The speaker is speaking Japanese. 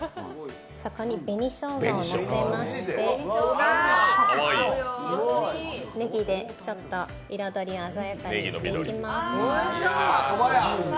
そこに紅しょうがをのせまして、ねぎでちょっと彩りを鮮やかにしていきます。